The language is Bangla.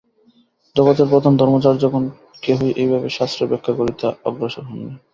জগতের প্রধান ধর্মাচার্যগণ কেহই এইভাবে শাস্ত্রের ব্যাখ্যা করিতে অগ্রসর হন নাই।